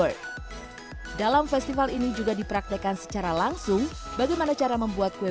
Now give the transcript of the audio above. work dalam festival ini juga dipraktekan secara langsung bagaimana cara membuat kue